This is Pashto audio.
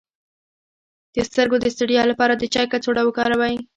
د سترګو د ستړیا لپاره د چای کڅوړه وکاروئ